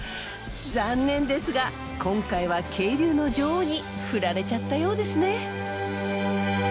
残念ですが今回は渓流の女王にフラれちゃったようですね。